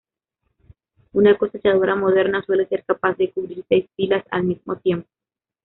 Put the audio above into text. Una cosechadora moderna suele ser capaz de cubrir seis filas, al mismo tiempo.